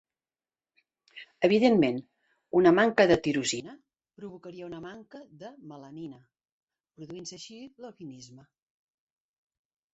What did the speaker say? Evidentment, una manca de tirosina provocaria una manca de melanina, produint-se així l'albinisme.